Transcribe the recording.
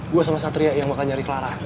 gue sama satria yang bakal nyari clara